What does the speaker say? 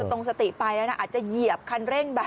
ตรงสติไปแล้วนะอาจจะเหยียบคันเร่งแบบ